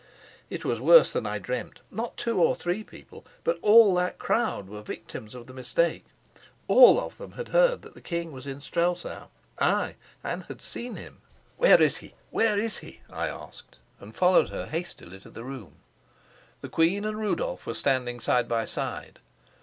It was worse than I dreamt: not two or three people, but all that crowd were victims of the mistake; all of them had heard that the king was in Strelsau ay, and had seen him. "Where is he? Where is he?" I asked, and followed her hastily to the room. The queen and Rudolf were standing side by side.